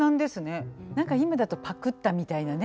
何か今だとパクったみたいなね